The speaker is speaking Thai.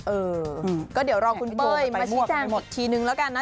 เออก็เดี๋ยวรอคุณเป้ยมาชี้แจงหมดทีนึงแล้วกันนะ